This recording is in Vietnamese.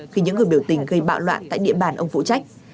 khi những người biểu tình gây bạo loạn tại địa bàn ông phụ trách